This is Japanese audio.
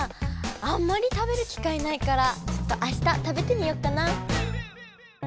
あんまり食べる機会ないからちょっとあした食べてみよっかな！